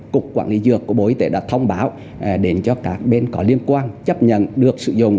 cục quản lý dược của bộ y tế đã thông báo đến cho các bên có liên quan chấp nhận được sử dụng